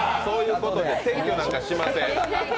撤去なんかしません。